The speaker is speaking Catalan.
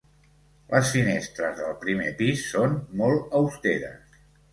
Les finestres del primer pis són molt austeres.